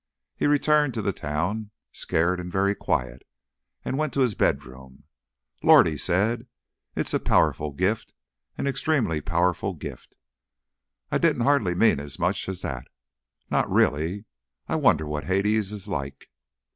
He returned to the town, scared and very quiet, and went to his bed room. "Lord!" he said, "it's a powerful gift an extremely powerful gift. I didn't hardly mean as much as that. Not really.... I wonder what Hades is like!"